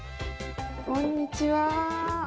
こんにちは。